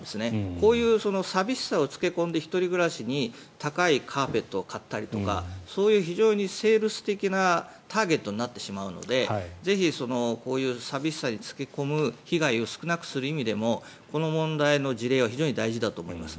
こういう寂しさに付け込んで１人暮らしに高いカーペットを買ったりとかそういう非常にセールス的なターゲットになってしまうのでぜひこういう寂しさに付け込む被害を少なくする意味でもこの問題の事例は非常に大事だと思います。